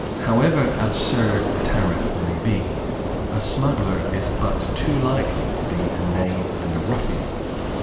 However absurd a tariff may be, a smuggler is but too likely to be a knave and a ruffian.